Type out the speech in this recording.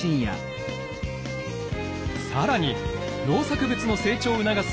更に農作物の成長を促す